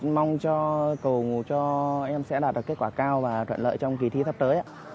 mong cho cầu ngủ cho em sẽ đạt được kết quả cao và thuận lợi trong kỳ thi sắp tới